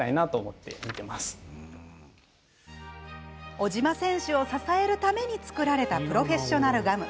小島選手を支えるために作られたプロフェッショナルガム。